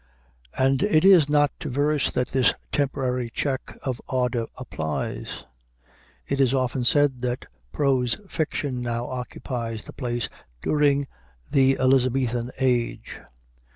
And it is not to verse that this temporary check of ardor applies. It is often said that prose fiction now occupies the place held by the drama during the Elizabethan age.